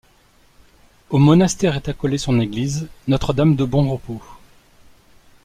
Au monastère est accolée son église, Notre-Dame de Bon Repos.